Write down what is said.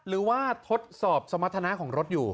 ทดสอบสมรรถนะของรถอยู่